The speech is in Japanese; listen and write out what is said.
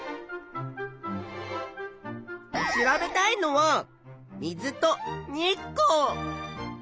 調べたいのは水と日光。